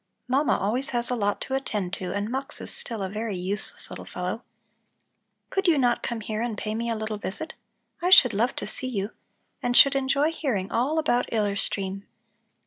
Mama always has a lot to attend to and Mux is still a very useless little fellow. Could you not come here and pay me a little visit? I should love to see you and should enjoy hearing all about Iller Stream.